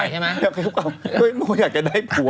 อยากขยับกลับมันก็อยากจะได้ผัว